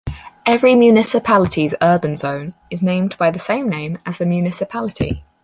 Every municipality's urban zone is named by the same name as the municipality.